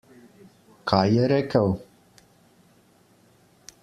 Kaj je rekel?